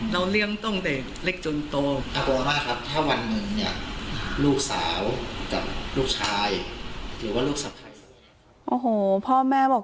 เราเลี้ยงต้นเด็กเล็กจนโต